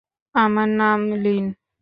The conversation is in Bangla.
আমার নাম লিন।